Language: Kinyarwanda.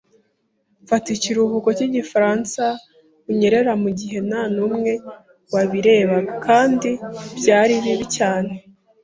fata ikiruhuko cyigifaransa unyerera mugihe ntanumwe wabirebaga, kandi byari bibi cyane a